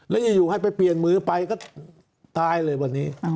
แล้วอยู่ให้ไปเปลี่ยนมือไปก็ตายเลยวันนี้